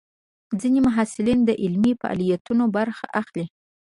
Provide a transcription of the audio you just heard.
ځینې محصلین د علمي فعالیتونو برخه اخلي.